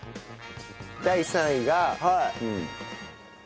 第３位が。